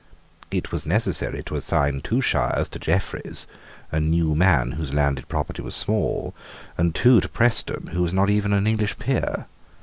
It was necessary to assign two shires to Jeffreys, a new man whose landed property was small, and two to Preston who was not even an English peer.